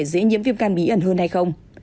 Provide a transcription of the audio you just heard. mắc viêm gan bí ẩn hơn hay không